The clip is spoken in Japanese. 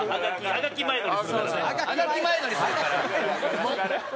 あがき前乗りするから。